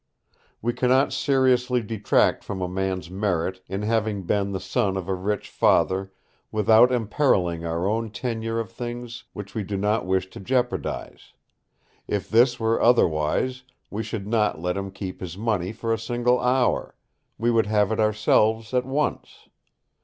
We cannot seriously detract from a man's merit in having been the son of a rich father without imperilling our own tenure of things which we do not wish to jeopardise; if this were otherwise we should not let him keep his money for a single hour; we would have it ourselves at once.